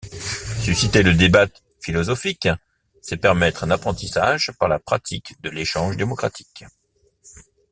Susciter le débat philosophique, c'est permettre un apprentissage par la pratique de l'échange démocratique.